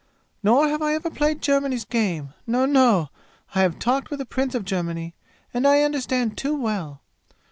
"Nor have I ever played Germany's game no, no! I have talked with a prince of Germany, and I understand too well!